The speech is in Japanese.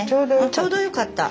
ちょうどよかった。